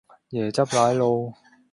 椰汁奶露